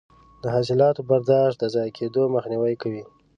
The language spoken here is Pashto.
د حاصلاتو برداشت د ضایع کیدو مخنیوی کوي.